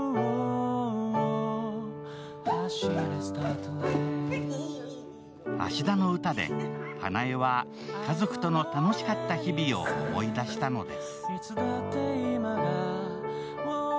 すると芦田の歌で花江は家族との楽しかった日々を思い出したのです。